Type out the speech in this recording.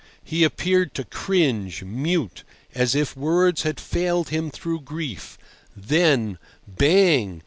He appeared to cringe, mute, as if words had failed him through grief; then—bang!